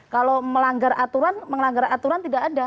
kalau melanggar aturan melanggar aturan tidak ada